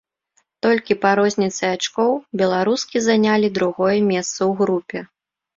Толькі па розніцы ачкоў беларускі занялі другое месца ў групе.